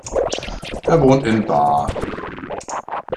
Er wohnt in Baar.